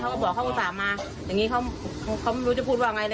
เขาก็บอกเขาอุตส่าห์มาอย่างนี้เขาไม่รู้จะพูดว่าไง